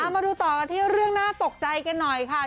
มาดูต่อกันที่เรื่องน่าตกใจกันหน่อยค่ะ